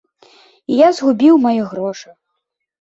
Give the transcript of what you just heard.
І я згубіў мае грошы.